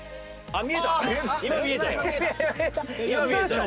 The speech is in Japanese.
あっ！